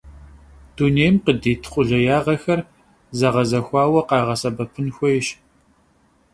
Dunêym khıdit khulêyağexer zeğezexuaue khağesebepın xuêyş.